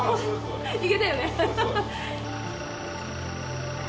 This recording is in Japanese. いけたよね。